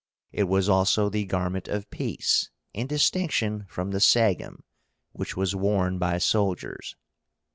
It was also the garment of peace, in distinction from the SAGUM, which was worn by soldiers.